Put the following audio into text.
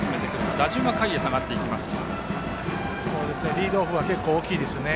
リードは結構大きいですね。